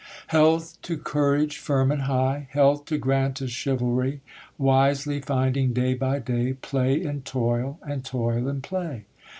Health to courage firm and high! Health to Granta's chivalry! Wisely finding, day by day, Play in toil, and toil in play.